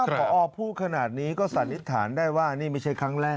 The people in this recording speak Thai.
พอพูดขนาดนี้ก็สันนิษฐานได้ว่านี่ไม่ใช่ครั้งแรก